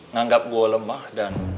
nganggap gue lemah dan